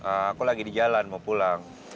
aku lagi di jalan mau pulang